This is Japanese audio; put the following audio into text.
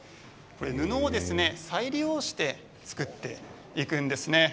布を再利用して作っていくんですね。